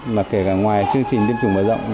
mà kể cả ngoài chương trình tiêm chủng mở rộng